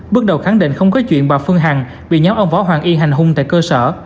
bước đầu khẳng định không có chuyện bà phương hằng bị nhóm ông võ hoàng y hành hung tại cơ sở